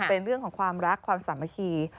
เป็นเรื่องของความรักความสามัคคี